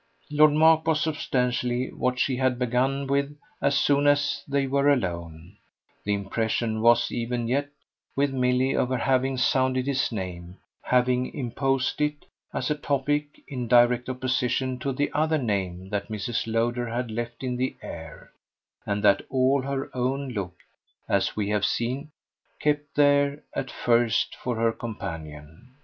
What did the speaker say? Lord Mark was substantially what she had begun with as soon as they were alone; the impression was even yet with Milly of her having sounded his name, having imposed it, as a topic, in direct opposition to the other name that Mrs. Lowder had left in the air and that all her own look, as we have seen, kept there at first for her companion.